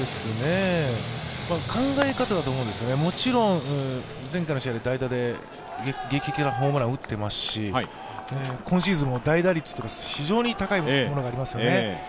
考え方だと思うんですね、もちろん前回の試合、代打で劇的なホームランを打っていますし、今シーズンも代打率が非常に高いものがありますよね。